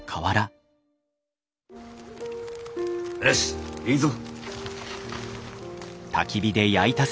よしえいぞ。